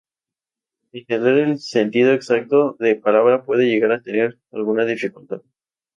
Entender el sentido exacto de la palabra puede llegar a tener alguna dificultad.